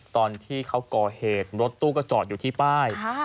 ตอนที่เขาก่อเหตุรถตู้ก็จอดอยู่ที่ป้าย